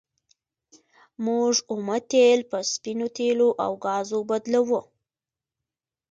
موږ اومه تیل په سپینو تیلو او ګازو بدلوو.